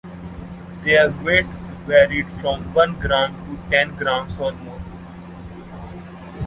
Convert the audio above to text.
Their weight varied, from one gram to ten grams or more.